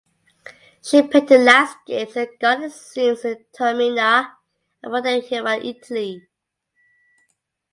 She painted landscapes and garden scenes in Taormina and Bordighera Italy.